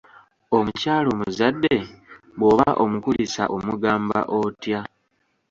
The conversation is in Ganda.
Omukyala omuzadde bw'oba omukulisa omugamba otya?